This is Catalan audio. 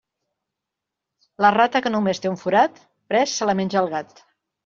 La rata que només té un forat, prest se la menja el gat.